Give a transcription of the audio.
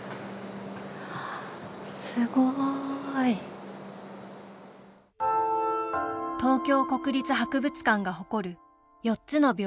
すごい！東京国立博物館が誇る４つの屏風。